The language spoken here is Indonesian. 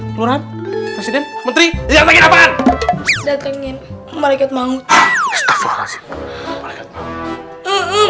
pelurahan presiden menteri datangkan datengin malaikat maut